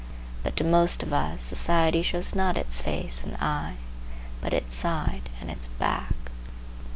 But to most of us society shows not its face and eye, but its side and its back.